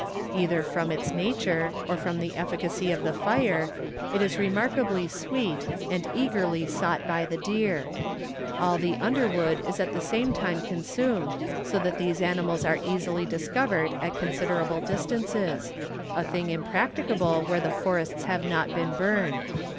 Either from its nature, or from the efficacy of the fire, it is remarkably sweet, and eagerly sought by the deer. All the underwood is at the same time consumed, so that these animals are easily discovered at considerable distances—a thing impracticable where the forests have not been burned.